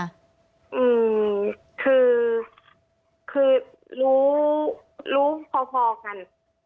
คือรู้พอกัน